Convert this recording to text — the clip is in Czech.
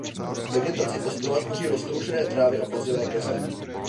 Vegetaci ostrova tvoří roztroušené trávy a plazivé keře.